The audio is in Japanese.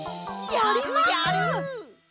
やるやる！